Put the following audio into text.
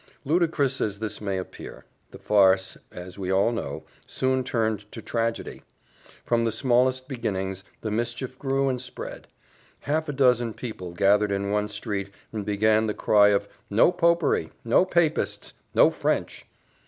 Ludicrous as this may appear, the farce, we all know, soon turned to tragedy. From the smallest beginnings, the mischief grew and spread; half a dozen people gathered in one street, and began the cry of "No popery! no papists! no French!"